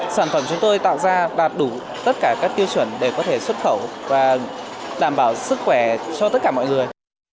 sản phẩm chúng tôi tạo ra đạt đủ tất cả các tiêu chuẩn để có thể xuất khẩu và đảm bảo sức khỏe cho tất cả mọi người